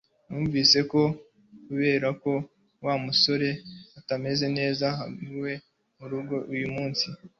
Numvise ko kubera ko Wa musore atameze neza azaguma murugo uyu munsi